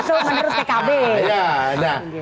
oke itu menurut pkb